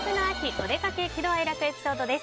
おでかけ喜怒哀楽エピソードです。